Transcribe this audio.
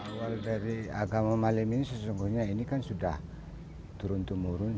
awal dari agama malim ini sesungguhnya ini kan sudah turun temurun